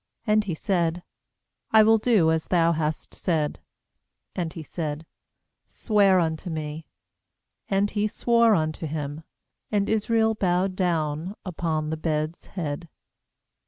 And he said: 'I will do as thou hast said.' 31And he said: 'Swear unto me.' And he swore unto him. And Israel bowed down upon the bed's head.